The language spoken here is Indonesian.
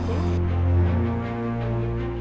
aku ingin hidup tenang